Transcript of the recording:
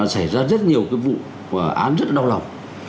xảy ra rất nhiều vụ án rất đau lòng